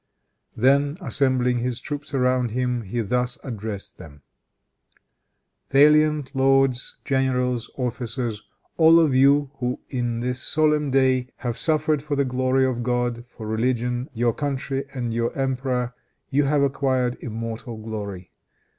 Then assembling his troops around him, he thus addressed them: "Valiant lords, generals, officers, all of you who in this solemn day have suffered for the glory of God, for religion, your country and your emperor, you have acquired immortal glory.